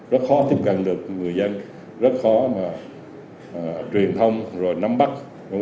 rất khó tiếp cận được người dân rất khó mà truyền thông rồi nắm bắt